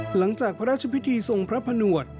หลังจากพระราชพิธีทรงพระผนวด